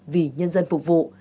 vì nhân dân phục vụ